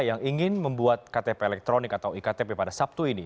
yang ingin membuat ktp elektronik atau iktp pada sabtu ini